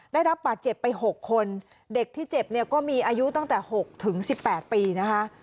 ได้รับบัตรเจ็บไปหกคนเด็กที่เจ็บเนี่ยก็มีอายุตั้งแต่หกถึงสิบแปดปีนะคะ